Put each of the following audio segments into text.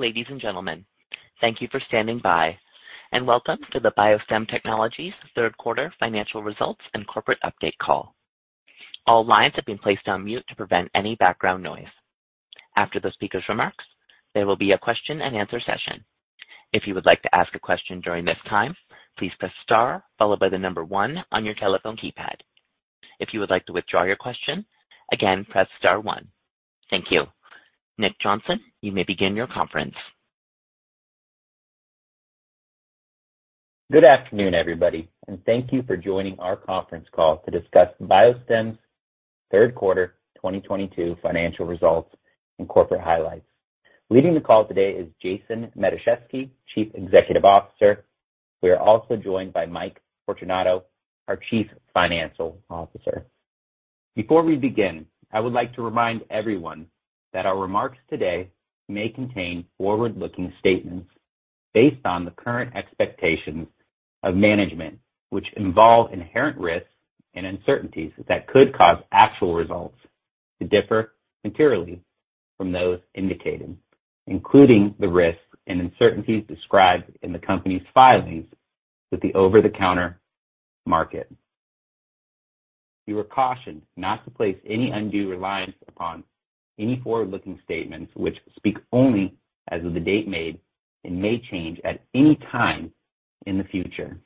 Ladies and gentlemen, thank you for standing by, and welcome to the BioStem Technologies third quarter financial results and corporate update call. All lines have been placed on mute to prevent any background noise. After the speaker's remarks, there will be a question and answer session. If you would like to ask a question during this time, please press star followed by the number one on your telephone keypad. If you would like to withdraw your question, again, press star one. Thank you. Nic Johnson, you may begin your conference. Good afternoon, everybody, and thank you for joining our conference call to discuss BioStem's third quarter 2022 financial results and corporate highlights. Leading the call today is Jason Matuszewski, Chief Executive Officer. We are also joined by Mike Fortunato, our Chief Financial Officer. Before we begin, I would like to remind everyone that our remarks today may contain forward-looking statements based on the current expectations of management, which involve inherent risks and uncertainties that could cause actual results to differ materially from those indicated, including the risks and uncertainties described in the company's filings with the over-the-counter market. You are cautioned not to place any undue reliance upon any forward-looking statements which speak only as of the date made and may change at any time in the future.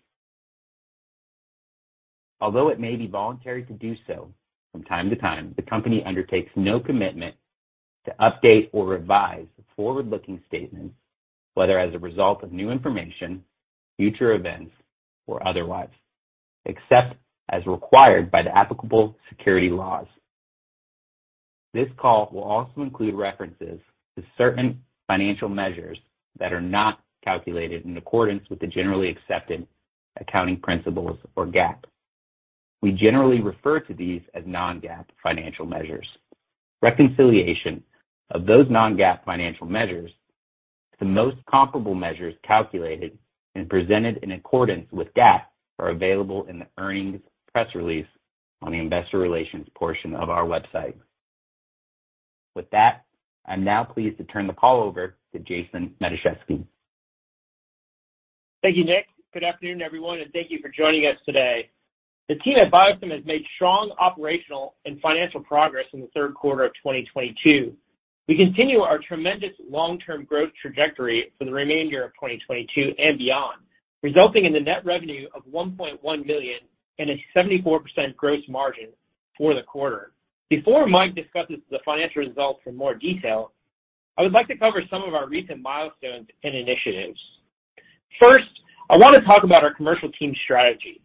Although it may be voluntary to do so from time to time, the company undertakes no commitment to update or revise forward-looking statements, whether as a result of new information, future events, or otherwise, except as required by the applicable securities laws. This call will also include references to certain financial measures that are not calculated in accordance with the generally accepted accounting principles or GAAP. We generally refer to these as non-GAAP financial measures. Reconciliation of those non-GAAP financial measures to the most comparable measures calculated and presented in accordance with GAAP are available in the earnings press release on the investor relations portion of our website. With that, I'm now pleased to turn the call over to Jason Matuszewski. Thank you, Nic. Good afternoon, everyone, and thank you for joining us today. The team at BioStem has made strong operational and financial progress in the third quarter of 2022. We continue our tremendous long-term growth trajectory for the remainder of 2022 and beyond, resulting in the net revenue of $1.1 million and a 74% gross margin for the quarter. Before Mike discusses the financial results in more detail, I would like to cover some of our recent milestones and initiatives. First, I want to talk about our commercial team strategy.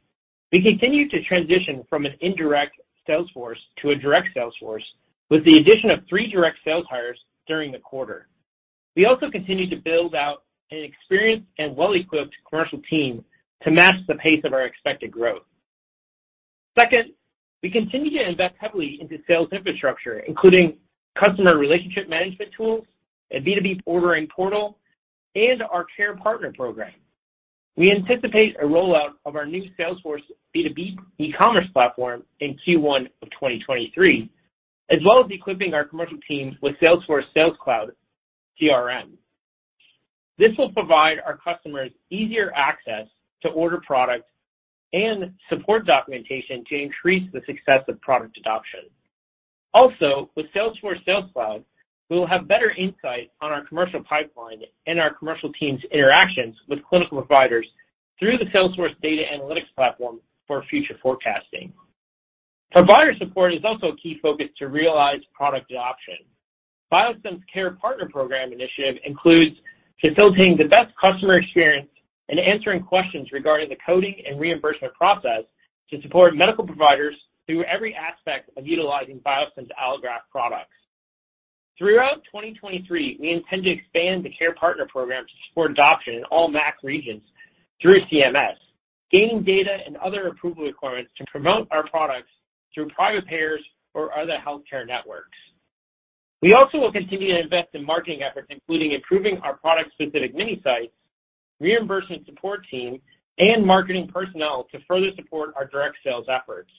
We continue to transition from an indirect sales force to a direct sales force with the addition of three direct sales hires during the quarter. We also continue to build out an experienced and well-equipped commercial team to match the pace of our expected growth. Second, we continue to invest heavily into sales infrastructure, including customer relationship management tools, a B2B ordering portal, and our care partner program. We anticipate a rollout of our new Salesforce B2B e-commerce platform in Q1 of 2023, as well as equipping our commercial team with Salesforce Sales Cloud CRM. This will provide our customers easier access to order products and support documentation to increase the success of product adoption. Also, with Salesforce Sales Cloud, we will have better insight on our commercial pipeline and our commercial team's interactions with clinical providers through the Salesforce data analytics platform for future forecasting. Provider support is also a key focus to realize product adoption. BioStem's care partner program initiative includes facilitating the best customer experience and answering questions regarding the coding and reimbursement process to support medical providers through every aspect of utilizing BioStem's allograft products. Throughout 2023, we intend to expand the care partner program to support adoption in all MAC regions through CMS, gaining data and other approval requirements to promote our products through private payers or other healthcare networks. We also will continue to invest in marketing efforts, including improving our product specific mini sites, reimbursement support team, and marketing personnel to further support our direct sales efforts.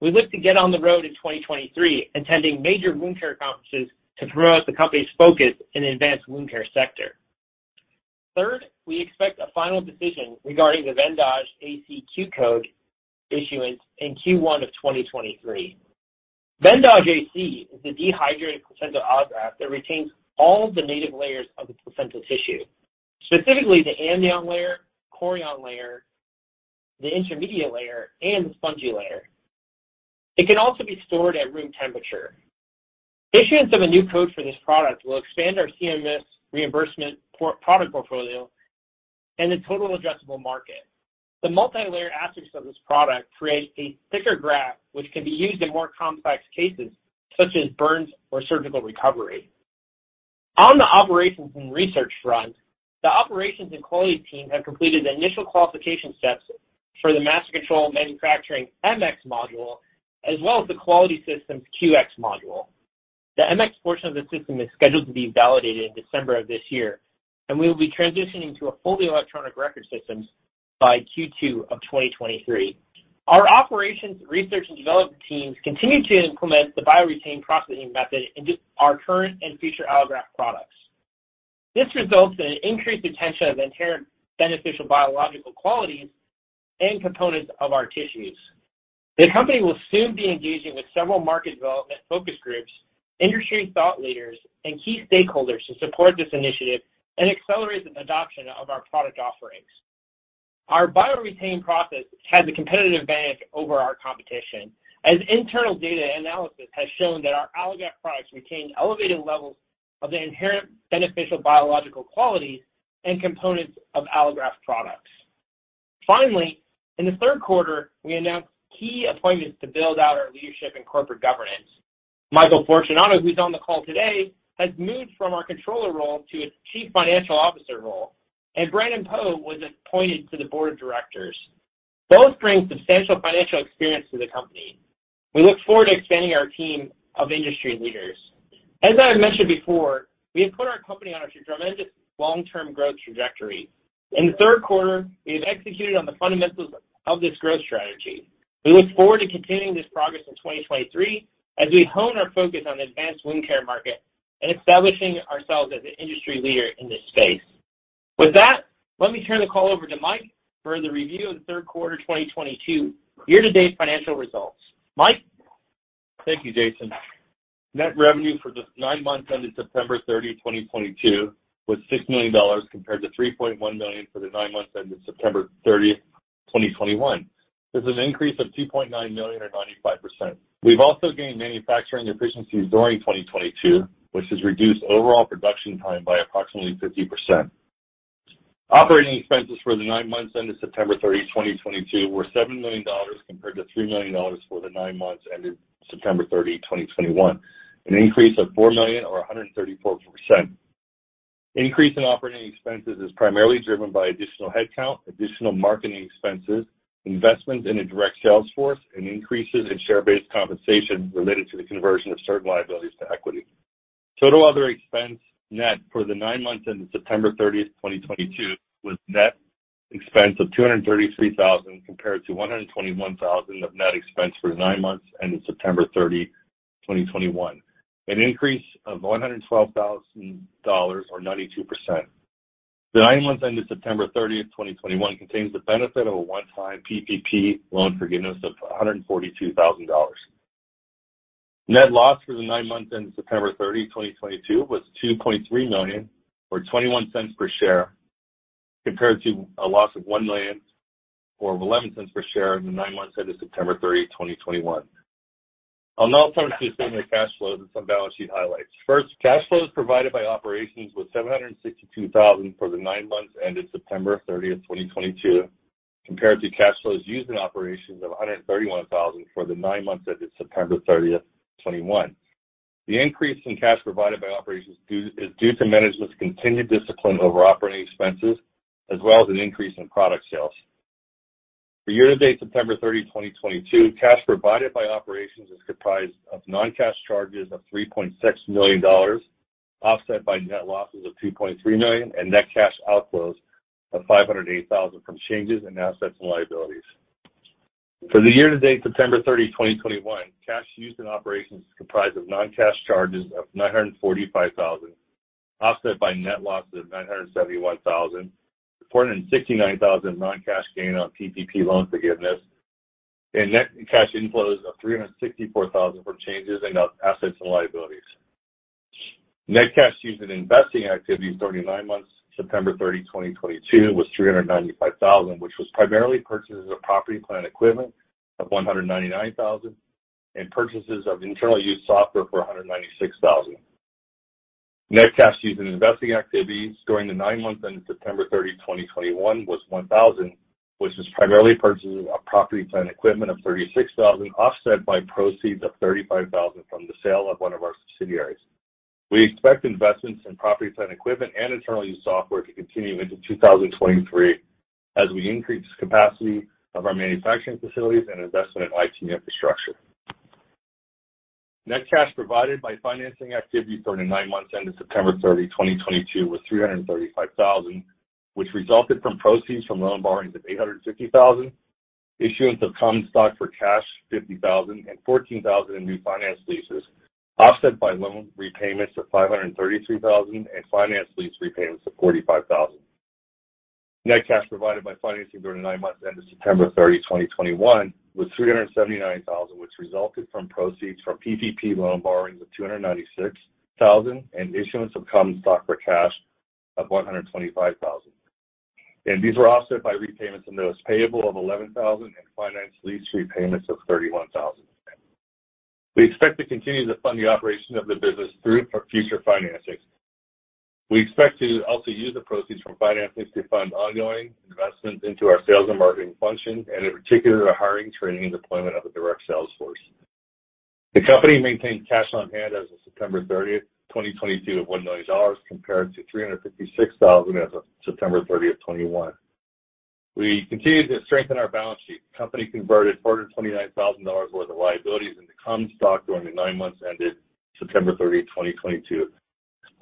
We look to get on the road in 2023, attending major wound care conferences to tout the company's focus in advanced wound care sector. Third, we expect a final decision regarding the VENDAJE AC Q code issuance in Q1 of 2023. VENDAJE AC is a dehydrated placental allograft that retains all the native layers of the placental tissue, specifically the amnion layer, chorion layer, the intermediate layer, and the spongy layer. It can also be stored at room temperature. Issuance of a new code for this product will expand our CMS reimbursement for product portfolio and the total addressable market. The multilayer aspects of this product create a thicker graft, which can be used in more complex cases such as burns or surgical recovery. On the operations and research front, the operations and quality team have completed the initial qualification steps for the MasterControl Manufacturing MX module, as well as the quality systems QX module. The MX portion of the system is scheduled to be validated in December of this year, and we will be transitioning to a fully electronic record systems by Q2 of 2023. Our operations research and development teams continue to implement the BioREtain® processing method into our current and future allograft products. This results in an increased potential of inherent beneficial biological qualities and components of our tissues. The company will soon be engaging with several market development focus groups, industry thought leaders, and key stakeholders to support this initiative and accelerate the adoption of our product offerings. Our BioREtain® process has a competitive advantage over our competition. As internal data analysis has shown that our allograft products retain elevated levels of the inherent beneficial biological qualities and components of allograft products. Finally, in the third quarter, we announced key appointments to build out our leadership and corporate governance. Michael Fortunato, who's on the call today, has moved from our controller role to a chief financial officer role, and Brandon Poe was appointed to the board of directors. Both bring substantial financial experience to the company. We look forward to expanding our team of industry leaders. As I have mentioned before, we have put our company on a tremendous long-term growth trajectory. In the third quarter, we have executed on the fundamentals of this growth strategy. We look forward to continuing this progress in 2023 as we hone our focus on the advanced wound care market and establishing ourselves as an industry leader in this space. With that, let me turn the call over to Mike for the review of the third quarter 2022 year-to-date financial results. Mike. Thank you, Jason. Net revenue for the nine months ended September 30, 2022 was $6 million compared to $3.1 million for the nine months ended September 30th, 2021. This is an increase of $2.9 million or 95%. We've also gained manufacturing efficiencies during 2022, which has reduced overall production time by approximately 50%. Operating expenses for the nine months ended September 30, 2022 were $7 million compared to $3 million for the nine months ended September 30, 2021. An increase of $4 million or 134%. Increase in operating expenses is primarily driven by additional headcount, additional marketing expenses, investments in a direct sales force, and increases in share-based compensation related to the conversion of certain liabilities to equity. Total other expense net for the nine months ended September 30th, 2022 was net expense of $233,000 compared to $121,000 of net expense for the nine months ended September 30, 2021. Increase of $112,000 or 92%. The nine months ended September 30th, 2021 contains the benefit of a one-time PPP loan forgiveness of $142,000. Net loss for the nine months ended September 30, 2022 was $2.3 million or $0.21 per share, compared to a loss of $1 million or $0.11 Per share in the nine months ended September 30, 2021. I'll now turn to a statement of cash flows and some balance sheet highlights. First, cash flows provided by operations was $762,000 for the nine months ended September 30, 2022, compared to cash flows used in operations of $131,000 for the nine months ended September 30th, 2021. The increase in cash provided by operations is due to management's continued discipline over operating expenses as well as an increase in product sales. For year-to-date September 30, 2022, cash provided by operations is comprised of non-cash charges of $3.6 million, offset by net losses of $2.3 million and net cash outflows of $508,000 from changes in assets and liabilities. For the year-to-date September 30, 2021, cash used in operations is comprised of non-cash charges of $945,000, offset by net losses of $971,000, $469,000 non-cash gain on PPP loan forgiveness, and net cash inflows of $364,000 for changes in assets and liabilities. Net cash used in investing activities during the nine months, September 30, 2022 was $395,000, which was primarily purchases of property, plant, and equipment of $199,000 and purchases of internal use software for $196,000. Net cash used in investing activities during the nine months ended September 30, 2021 was $1,000, which was primarily purchases of property, plant, and equipment of $36,000, offset by proceeds of $35,000 from the sale of one of our subsidiaries. We expect investments in property, plant, and equipment and internal use software to continue into 2023 as we increase capacity of our manufacturing facilities and investment in IT infrastructure. Net cash provided by financing activity during the nine months ended September 30, 2022 was $335,000, which resulted from proceeds from loan borrowings of $850,000, issuance of common stock for cash $50,000, and $14,000 in new finance leases, offset by loan repayments of $533,000 and finance lease repayments of $45,000. Net cash provided by financing during the nine months ended September 30, 2021 was $379,000, which resulted from proceeds from PPP loan borrowings of $296,000 and issuance of common stock for cash of $125,000. These were offset by repayments on those payable of $11,000 and finance lease repayments of $31,000. We expect to continue to fund the operation of the business through future financings. We expect to also use the proceeds from financings to fund ongoing investments into our sales and marketing function, and in particular, the hiring, training, and deployment of a direct sales force. The company maintained cash on hand as of September 30, 2022 of $1 million compared to $356,000 as of September 30, 2021. We continue to strengthen our balance sheet. Company converted $429,000 worth of liabilities into common stock during the nine months ended September 30, 2022.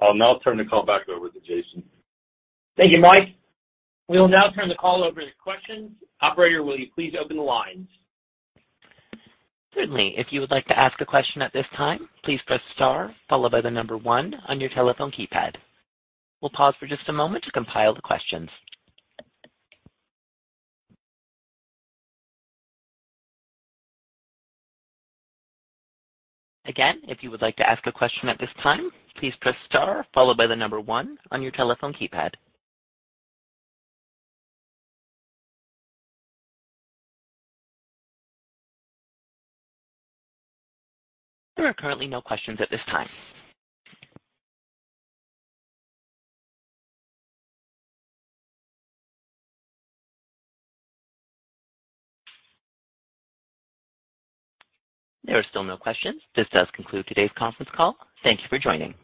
I'll now turn the call back over to Jason. Thank you, Mike. We will now turn the call over to questions. Operator, will you please open the lines? Certainly. If you would like to ask a question at this time, please press star followed by the number one on your telephone keypad. We'll pause for just a moment to compile the questions. Again, if you would like to ask a question at this time, please press star followed by the number one on your telephone keypad. There are currently no questions at this time. There are still no questions. This does conclude today's conference call. Thank you for joining.